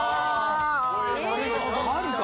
あるか？